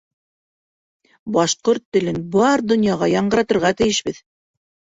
Башҡорт телен бар доньяға яңғыратырға тейешбеҙ!